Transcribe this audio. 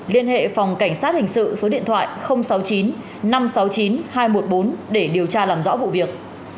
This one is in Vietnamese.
liên hệ phòng cảnh sát hình sự số điện thoại sáu mươi chín năm trăm sáu mươi chín hai trăm một mươi bốn để điều tra làm rõ vụ việc